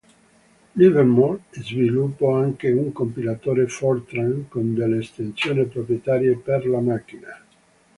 Livermore sviluppo anche un compilatore Fortran con delle estensioni proprietarie per la macchina.